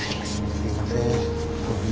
すいません